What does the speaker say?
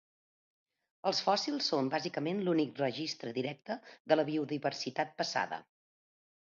Els fòssils són bàsicament l’únic registre directe de la biodiversitat passada.